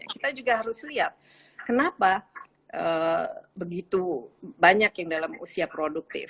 kita juga harus lihat kenapa begitu banyak yang dalam usia produktif